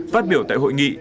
phát biểu tại hội nghị